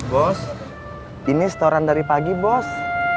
bos ini setoran dari pagi bos